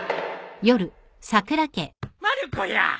まる子や。